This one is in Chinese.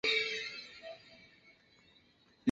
舰载机随舰多次到亚丁湾执行护航任务。